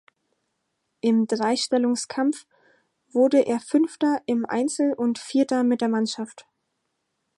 Im Dreistellungskampf wurde er Fünfter im Einzel und Vierter mit der Mannschaft.